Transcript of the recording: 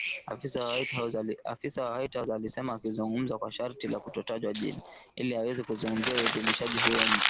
Afisa wa White House alisema akizungumza kwa sharti la kutotajwa jina, ili aweze kuzungumzia uidhinishaji huo mpya